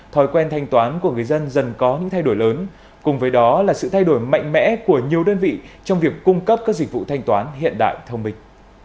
thói quen thanh toán của người dân dần có những thay đổi lớn cùng với đó là sự thay đổi mạnh mẽ của nhiều đơn vị trong việc cung cấp các dịch vụ thanh toán hiện đại thông minh